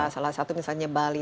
salah satu misalnya bali